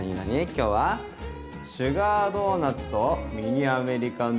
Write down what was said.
今日は「シュガードーナツとミニアメリカンドッグ！」